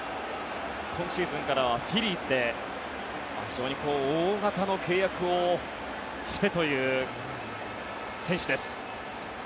今シーズンからはフィリーズで非常に大型の契約をしてという選手です。